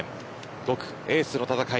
５区、エースの戦い